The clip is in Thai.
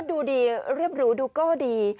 เออก็ดูดีเรียบรู้ดูก็ดี